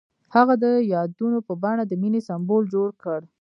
هغه د یادونه په بڼه د مینې سمبول جوړ کړ.